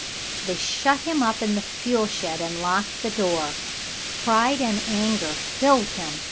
They shut him up in the fuel shed and locked the door. Pride and anger filled him.